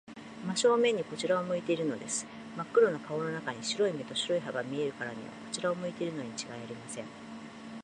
真正面にこちらを向いているのです。まっ黒な顔の中に、白い目と白い歯とが見えるからには、こちらを向いているのにちがいありません。